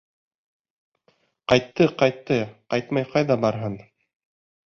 Ҡайтты-ҡайтты, ҡайтмай ҡайҙа барһын?